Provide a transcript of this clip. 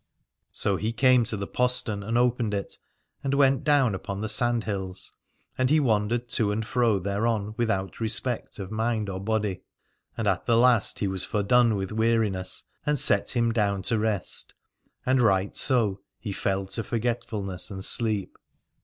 So he came to the postern and opened it, and went down upon the sand hills, and he wandered to and fro thereon without respect of mind or body: and at the last he was fordone with weariness, and set him down to rest, and right so he fell to forgetfulness and sleep.